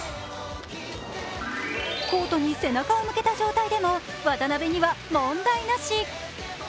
コートに背中を向けた状態でも渡辺には問題なし。